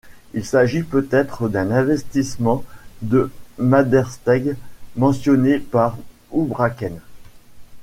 Il s'agit peut-être d'un investissement de Maddersteg mentionné par Houbraken.